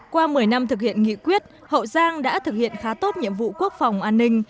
qua một mươi năm thực hiện nghị quyết hậu giang đã thực hiện khá tốt nhiệm vụ quốc phòng an ninh